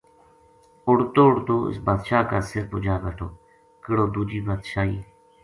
اُڈتو اُڈتو اسے بادشاہ کا سر پو جا بیٹھو کِہڑو دوجی بادشاہی